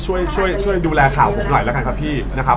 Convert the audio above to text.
ช่วยดูแลข่าวผมหน่อยละครับพี่